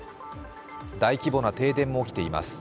大規模な停電も起きています。